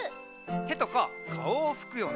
てとかかおをふくよね。